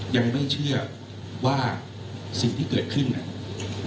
ยังไม่เชื่อว่าสิ่งที่เกิดขึ้นเนี่ย